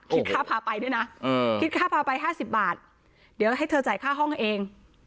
คิดค่าพาไปด้วยนะคิดค่าพาไป๕๐บาทเดี๋ยวให้เธอจ่ายค่าห้องกันเอง